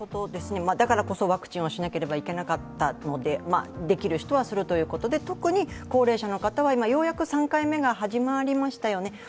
だからこそワクチンをしなければいけなかったので、できる人はするということで特に高齢者の方は今、ようやく３回目が始まりましたよね。